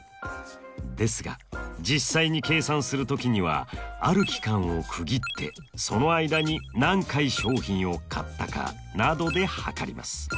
ですが実際に計算する時にはある期間を区切ってその間に何回商品を買ったかなどで測ります。